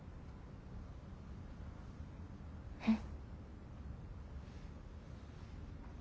うん。